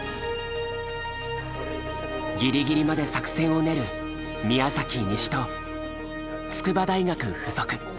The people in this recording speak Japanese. ギリギリまで作戦を練る宮崎西と筑波大学附属。